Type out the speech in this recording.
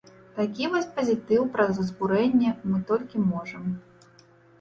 Такі вось пазітыў праз разбурэнне мы толькі можам.